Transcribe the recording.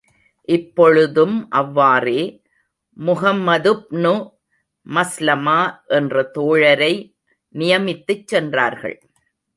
இப்பொழுதும் அவ்வாறே, முஹம்மதுப்னு மஸ்லமா என்ற தோழரை நியமித்துச் சென்றார்கள்.